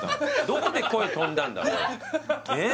どこで声飛んだんだえっ？